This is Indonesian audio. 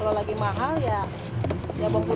kalau lagi mahal ya